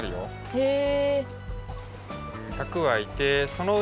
へえ。